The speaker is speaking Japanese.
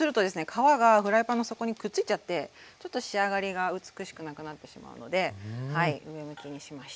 皮がフライパンの底にくっついちゃってちょっと仕上がりが美しくなくなってしまうので上向きにしました。